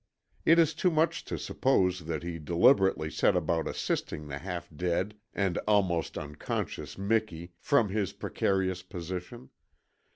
It is too much to suppose that he deliberately set about assisting the half dead and almost unconscious Miki from his precarious position.